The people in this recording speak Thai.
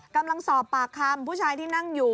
กำลังสอบปากคำผู้ชายที่นั่งอยู่